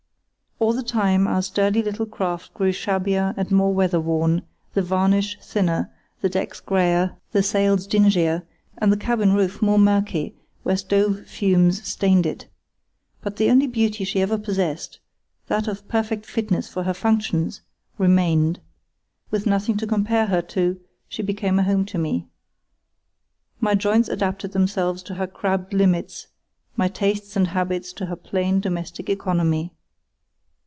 All the time our sturdy little craft grew shabbier and more weather worn, the varnish thinner, the decks greyer, the sails dingier, and the cabin roof more murky where stove fumes stained it. But the only beauty she ever possessed, that of perfect fitness for her functions, remained. With nothing to compare her to she became a home to me. My joints adapted themselves to her crabbed limits, my tastes and habits to her plain domestic economy.